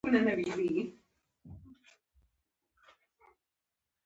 فلم باید د انسان فکر ته رڼا ورکړي